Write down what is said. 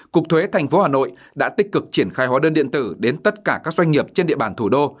cục thuế tp hà nội đã tích cực triển khai hóa đơn điện tử đến tất cả các doanh nghiệp trên địa bàn thủ đô